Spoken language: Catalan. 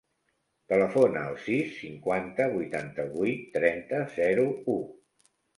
Telefona al sis, cinquanta, vuitanta-vuit, trenta, zero, u.